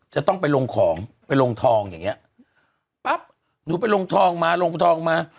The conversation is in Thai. จะต้องไปลงของไปลงทองอย่างเงี้ยปั๊บหนูไปลงทองมาลงทองมา